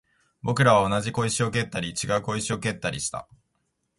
僕らは同じ小石を蹴ったり、違う小石を蹴ったりした